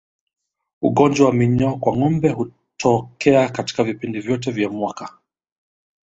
Ugonjwa wa minyoo kwa ngombe hutokea katika vipindi vyote vya mwaka